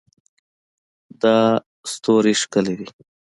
دا ستوری ښکلی ده